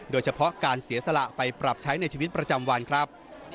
โดยเฉพาะการเสียสละไปปรับใช้ในชีวิตประจำวันครับ